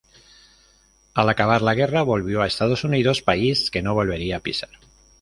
Al acabar la guerra, volvió a Estados Unidos, país que no volvería a pisar.